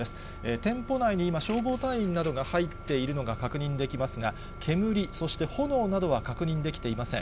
店舗内に今、消防隊員が入っているのが確認できますが、煙、そして炎などは確認できていません。